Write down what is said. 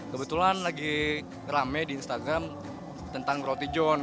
kebetulan lagi rame di instagram tentang roti john